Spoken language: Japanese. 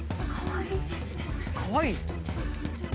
かわいい？